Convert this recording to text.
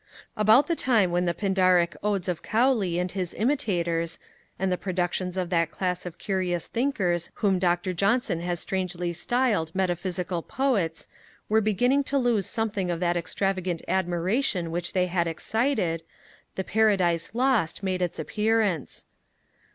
About the time when the Pindaric odes of Cowley and his imitators, and the productions of that class of curious thinkers whom Dr. Johnson has strangely styled metaphysical Poets, were beginning to lose something of that extravagant admiration which they had excited, the Paradise Lost made its appearance.